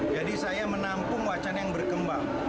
jadi saya menampung wacana yang berkembang